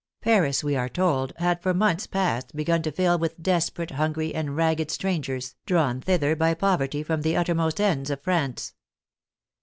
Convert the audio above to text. Paris, we are told, had for months past begun to fill v/ith desperate, hungry, and ragged stran gers, drawn thither by poverty from the uttermost ends of France.